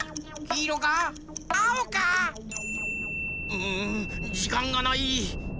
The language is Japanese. うんじかんがない！